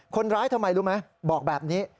ทำไมรู้ไหมบอกแบบนี้